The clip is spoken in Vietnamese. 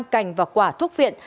cành và quả thuốc viện